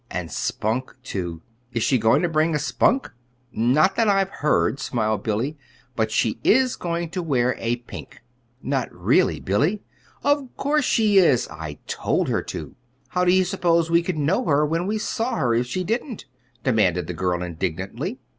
"And Spunk, too! Is she going to bring a Spunk?" "Not that I've heard," smiled Billy; "but she is going to wear a pink." "Not really, Billy?" "Of course she is! I told her to. How do you suppose we could know her when we saw her, if she didn't?" demanded the girl, indignantly.